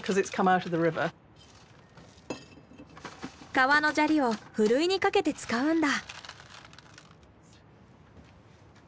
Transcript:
川の砂利をふるいにかけて使うんだ。